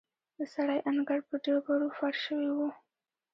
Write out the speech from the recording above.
د سرای انګړ په ډبرو فرش شوی و.